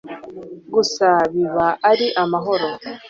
gusa bib ari amahoro